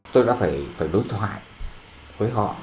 tôi đã phải đối thoại với họ